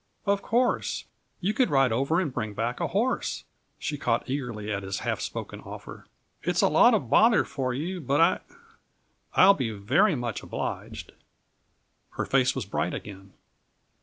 "Of course! You could ride over and bring back a horse!" She caught eagerly at his half spoken offer. "It's a lot of bother for you, but I I'll be very much obliged." Her face was bright again.